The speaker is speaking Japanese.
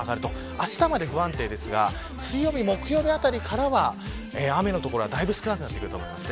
あしたまで不安定ですが水曜日、木曜日当たりからは雨の所は、だいぶ少なくなってくると思います。